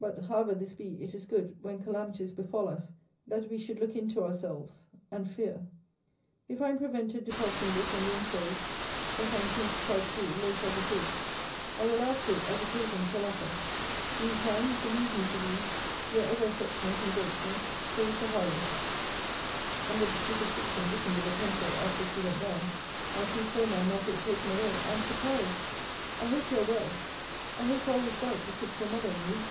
But, however this be, it is good, when calamities befal us, that we should look into ourselves, and fear. If I am prevented depositing this and the enclosed, (as I intend to try to do, late as it is,) I will add to it as occasion shall offer. Mean time, believe me to be Your ever affectionate and grateful CL. HARLOWE. Under the superscription, written with a pencil, after she went down. 'My two former are not yet taken away I am surprised I hope you are well I hope all is right betwixt your mother and you.'